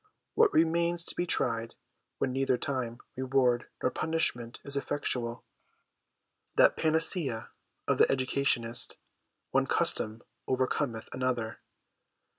What remains to be tried when neither time, reward, nor punishment is effectual ? That panacea of the educationist :' One custom overcometh another.'